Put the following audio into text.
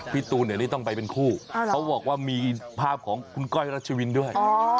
ตูนเดี๋ยวนี้ต้องไปเป็นคู่เขาบอกว่ามีภาพของคุณก้อยรัชวินด้วย